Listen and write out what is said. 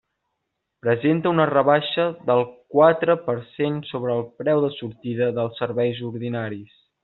Presenta una rebaixa del quatre per cent sobre el preu de sortida dels serveis ordinaris.